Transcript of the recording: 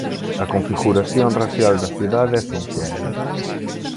A configuración racial da cidade é sinxela.